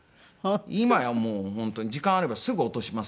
今やもう本当に時間あればすぐ落としますけどね。